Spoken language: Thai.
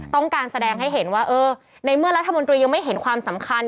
ต้องการแสดงให้เห็นว่าเออในเมื่อรัฐมนตรียังไม่เห็นความสำคัญ